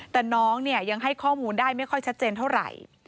แต่น้องเนี่ยยังให้ข้อมูลได้ไม่ค่อยชัดเจนเท่าไหร่